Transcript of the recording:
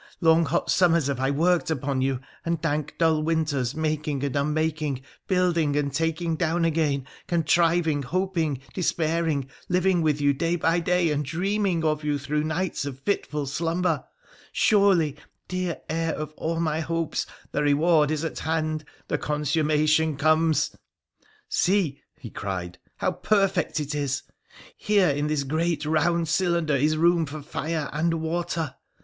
Long, hot summers have I worked upon you, and dank, dull winters, making and unmaking, building and taking down again, con triving, hoping, despairing, living with you by day and dreaming of you through nights of fitful slumber — surely, dear heir of all my hopes, the reward is at hand, the consummation comes !' See !' he cried, ' how perfect it is ! Here in this great round cylinder is room for fire and water.